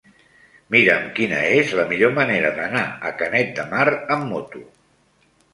Mira'm quina és la millor manera d'anar a Canet de Mar amb moto.